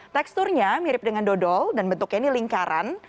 teksturnya mirip dengan dodol dan bentuknya ini lingkaran